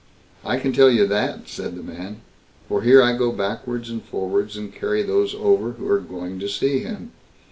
"I can tell you that", said the man; "for here I go backwards and forwards, and carry those over who are going to see him.